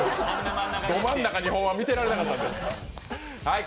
ど真ん中２本は見てられなかった。